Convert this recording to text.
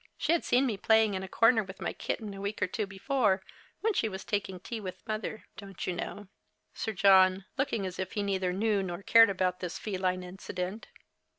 She had seen me playing in a corner with my kitten a week or two before, when she Avas taking tea Avith mother, don't you know. SiE John [loohing as if he neither hnew nor cared about this feline incident).